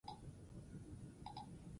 Lanik ez egiteko lan asko egin behar da.